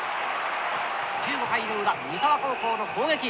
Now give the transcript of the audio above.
１５回の裏三沢高校の攻撃。